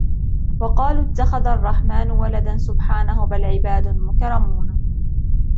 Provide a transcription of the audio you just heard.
وَقَالُوا اتَّخَذَ الرَّحْمَنُ وَلَدًا سُبْحَانَهُ بَلْ عِبَادٌ مُكْرَمُونَ